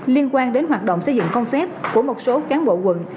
liên quan đến hoạt động xây dựng không phép của một số cán bộ quận